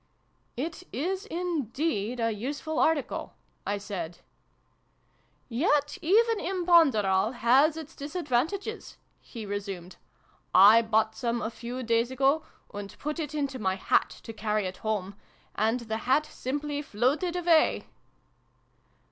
"It is indeed a useful article !" I said. " Yet even ' Imponderal ' has its disadvan tages," he resumed. " I bought some, a few days ago, and put it into my hat, to carry it home, and the hat simply floated away